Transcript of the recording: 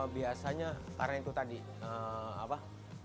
biasanya karena itu tadi apa